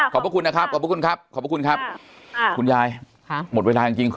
ขอบคุณนะครับขอบคุณครับขอบคุณครับอ่าคุณยายครับหมดเวลาจริงจริง